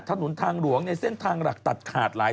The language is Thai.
ถนนทางหลวงในเส้นทางหลักตัดขาดหลาย